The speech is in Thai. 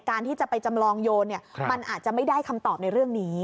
ที่จะไปจำลองโยนมันอาจจะไม่ได้คำตอบในเรื่องนี้